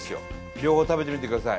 両方食べてみてください